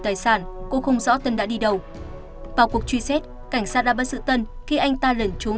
tài sản cô không rõ tân đã đi đầu vào cuộc truy xét cảnh sát đã bắt giữ tân khi anh ta lẩn trốn